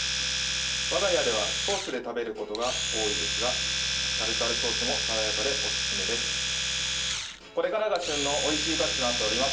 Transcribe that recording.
我が家ではソースで食べることが多いですがタルタルソースも爽やかでおすすめです。